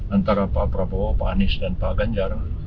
antara pak prabowo pak anies dan pak ganjar